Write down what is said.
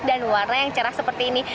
dan warna yang cerah seperti ini